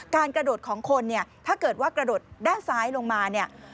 การกระโดดของคนถ้าเกิดว่ากระโดดด้านซ้ายลงมา